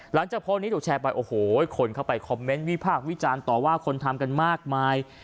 หลังจากโพสต์นี้ถูกแชร์ไปโอ้โหคนเข้าไปคอมเมนต์วิพากษ์วิจารณ์ต่อว่าคนทำกันมากมาย